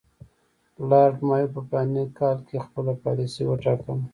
لارډ مایو په فلاني کال کې خپله پالیسي وټاکله.